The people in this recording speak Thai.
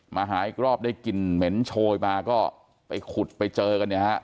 มาหาอีกรอบได้กลิ่นเหม็นโชยมาก็ไปขุดไปเจอกันเนี่ยฮะ